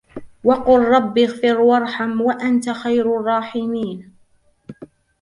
وقل رب اغفر وارحم وأنت خير الراحمين